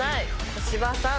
小芝さん。